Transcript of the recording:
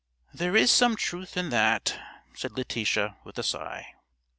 "There is some truth in that," said Letitia, with a sigh.